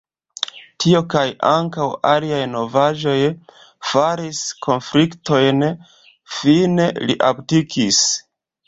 Tio kaj ankaŭ aliaj novaĵoj faris konfliktojn, fine li abdikis.